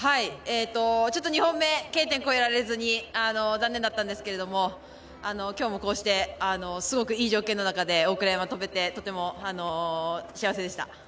２本目、Ｋ点を越えられずに残念だったんですけど今日もこうしてすごくいい条件の中で大倉山、飛べて、とても幸せでした。